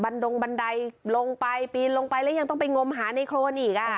ดงบันไดลงไปปีนลงไปแล้วยังต้องไปงมหาในโครนอีกอ่ะ